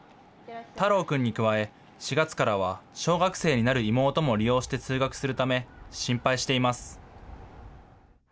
太郎くんに加え、４月からは小学生になる妹も利用して通学するため心配しています。